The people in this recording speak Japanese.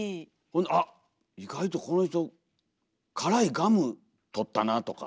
「あっ意外とこの人からいガムとったな」とか。